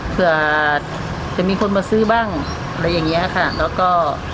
เผื่อจะมีคนมาซื้อบ้างอะไรอย่างเงี้ยค่ะแล้วก็